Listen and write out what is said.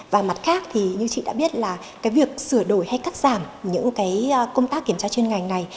và mặt khác thì như chị đã biết là việc sửa đổi hay cắt giảm những cái công tác kiểm tra chuyên ngành này